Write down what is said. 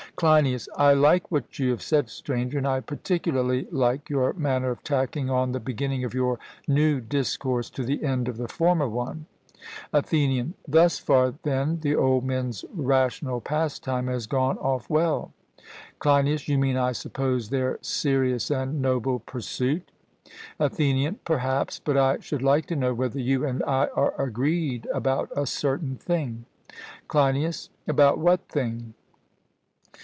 CLEINIAS: I like what you have said, Stranger; and I particularly like your manner of tacking on the beginning of your new discourse to the end of the former one. ATHENIAN: Thus far, then, the old men's rational pastime has gone off well. CLEINIAS: You mean, I suppose, their serious and noble pursuit? ATHENIAN: Perhaps; but I should like to know whether you and I are agreed about a certain thing. CLEINIAS: About what thing?